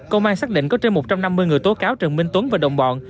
công an xác định có trên một trăm năm mươi người tố cáo trần minh tuấn và đồng bọn